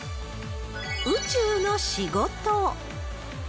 宇宙の仕事。